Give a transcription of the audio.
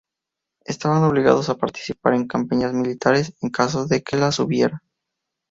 Estaban obligados a participar en campañas militares, en caso de que las hubiera.